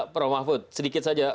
pak rahafud sedikit saja